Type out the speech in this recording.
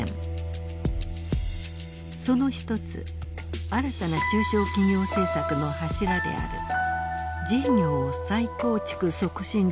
その一つ新たな中小企業政策の柱である事業再構築促進事業です。